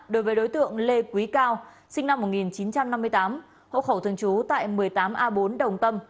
đối với đối tượng lê quý cao sinh năm một nghìn chín trăm năm mươi tám hộ khẩu thường trú tại một mươi tám a bốn đồng tâm